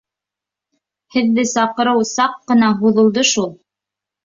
— Һеҙҙе сығарыу саҡ ҡына һуҙылды шул.